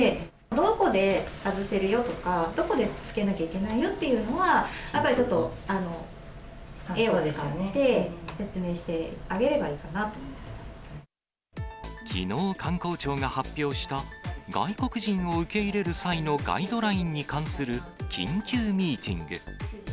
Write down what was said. どこで外せるよとか、どこで着けなきゃいけないよというのは、あとでちょっと絵を使って説明してあげればいいかなと思っていまきのう、観光庁が発表した外国人を受け入れる際のガイドラインに関する緊急ミーティング。